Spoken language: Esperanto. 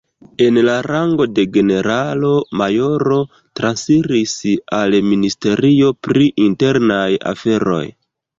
En la rango de generalo-majoro transiris al Ministerio pri Internaj Aferoj.